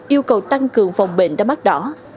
yêu cầu tăng cường vòng bệnh đau mắt đỏ